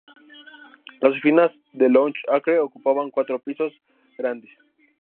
Las oficinas en Long Acre ocupaban "cuatro pisos grandes".